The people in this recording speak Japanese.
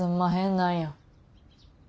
なんや。